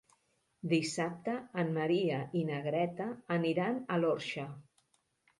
Dissabte en Maria i na Greta aniran a l'Orxa.